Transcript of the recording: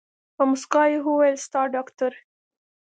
په موسکا يې وويل ستا ډاکتر.